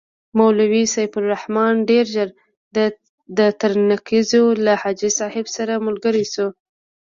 مولوي سیف الرحمن ډېر ژر د ترنګزیو له حاجي صاحب سره ملګری شو.